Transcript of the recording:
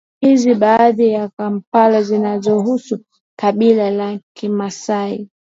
Hizi baadhi ya makala zinazohusu kabila la kimaasai